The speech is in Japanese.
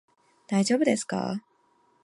大丈夫ですか？